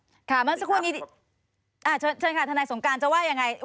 เชิญค่ะทนายสงการจะว่ายังไง